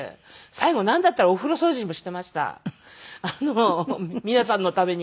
最後なんだったらお風呂掃除もしていました皆さんのために。